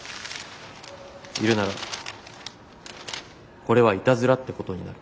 いるならこれはイタズラってことになる。